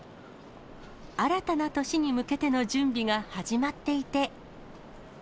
新たな年に向けての準備が始まっていて。